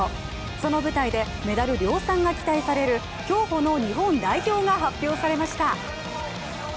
その舞台で、メダル量産が期待される競歩の日本代表が発表されました。